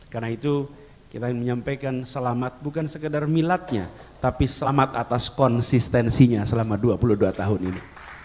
karena itu kita menyampaikan selamat bukan sekadar milatnya tapi selamat atas konsistensinya selama dua puluh dua tahun ini